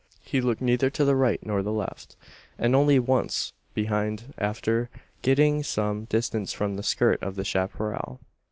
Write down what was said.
He looked neither to the right nor the left; and only once behind after getting some distance from the skirt of the chapparal.